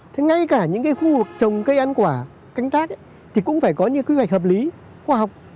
thế ngay cả những cái khu vực trồng cây ăn quả canh tác thì cũng phải có những quy hoạch hợp lý khoa học